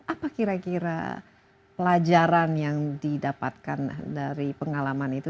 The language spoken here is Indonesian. apa kira kira pelajaran yang didapatkan dari pengalaman itu